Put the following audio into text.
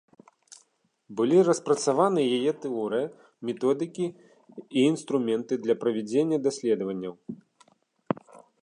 Былі распрацаваны яе тэорыя, методыкі і інструменты для правядзення даследаванняў.